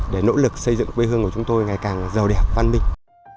để nỗ lực xây dựng quê hương của chúng tôi ngày càng giàu đẹp văn minh